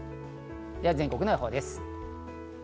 では全国の予報です。